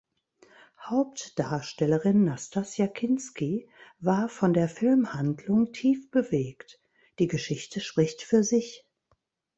Hauptdarstellerin Nastassja Kinski war von der Filmhandlung tief bewegt: „Die Geschichte spricht für sich.